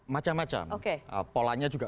macam macam polanya juga